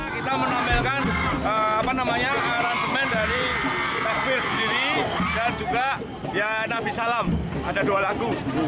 kita menampilkan aransemen dari takbir sendiri dan juga nabi salam ada dua lagu